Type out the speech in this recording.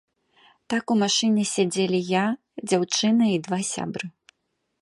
Так у машыне сядзелі я, дзяўчына і два сябры.